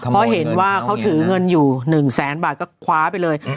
เพราะเห็นว่าเขาถือเงินอยู่๑แสนบาทก็คว้าไปเลย